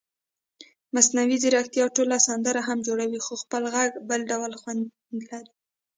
مصنوعي ځیرکتیا ټوله سندره هم جوړوي خو خپل غږ بل ډول خوند لري.